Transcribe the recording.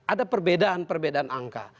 ada perbedaan perbedaan angka